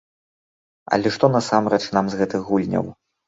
Але што насамрэч нам з гэтых гульняў?